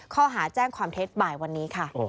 ข้อหาแจ้งความเท็จบ่ายวันนี้ค่ะ